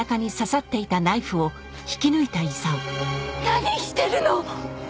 何してるの！？